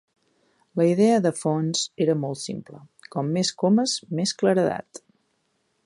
La idea de fons era molt simple: com més comes, més claredat.